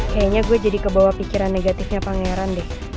kayaknya gue jadi kebawa pikiran negatifnya pangeran deh